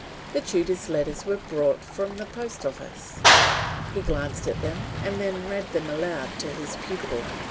The tutor's letters were brought from the post office. He glanced at them, and then read them aloud to his pupil.